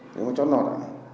nếu mà chót nọt